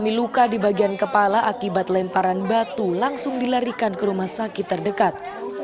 mengalami luka di bagian kepala akibat lemparan batu langsung dilarikan ke rumah sakit terdekat